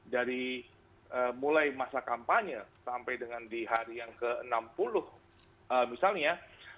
dari mulai masa kampanye sampai dengan di hari yang ke enam puluh misalnya